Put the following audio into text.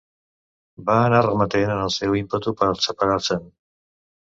Va anar remetent en el seu ímpetu de separar-se’n.